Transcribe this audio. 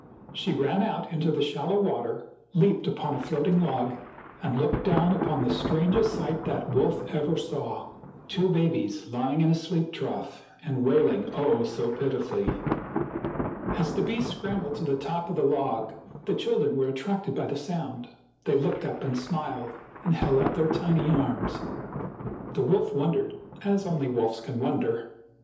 She ran out into the shallow water, leaped upon a floating log, and looked down upon the strangest sight that wolf ever saw — two babies lying in a sheep trough and wailing, oh, so pitifully ! As the beast scrambled to the top of the log the children were attracted by the sound ; they looked up and smiled and held out their tiny arms. The wolf wondered, as only wolves can wonder.